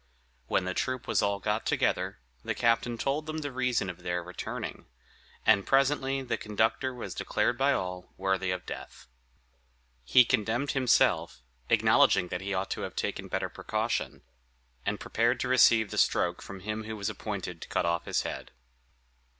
When the troop was all got together, the captain told them the reason of their returning; and presently the conductor was declared by all worthy of death. He condemned himself, acknowledging that he ought to have taken better precaution, and prepared to receive the stroke from him who was appointed to cut off his head.